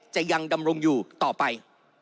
จะยังดำรงอยู่ต่อไป